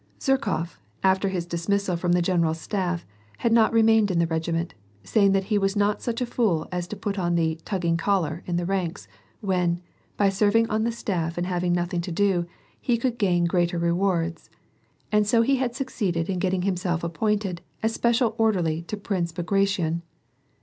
Zherkof, after his dis missal from the general's staff, had not remained in the regiment, saying that he was not such a fool as to put on the " tugging collar " in the ranks, when, by serving on the staff and hav ing nothing to do, he could gain greater rewards, and so he had succeeded in getting himself appointed as special orderly to Prince Bagration.